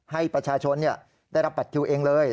ให้ประชาชนได้รับบัตรคิวเองเลย